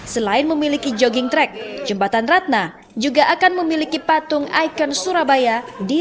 selain memiliki jogging track jembatan ratna juga akan berbeda